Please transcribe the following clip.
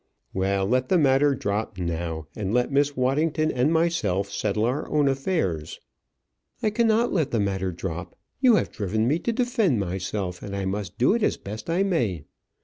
"Well, let the matter drop now; and let Miss Waddington and myself settle our own affairs." "I cannot let the matter drop; you have driven me to defend myself, and I must do it as best I may.